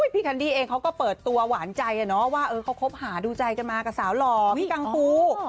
แคนดี้เองเขาก็เปิดตัวหวานใจว่าเขาคบหาดูใจกันมากับสาวหล่อพี่กังปู